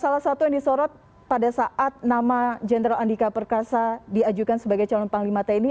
salah satu yang disorot pada saat nama jenderal andika perkasa diajukan sebagai calon panglima tni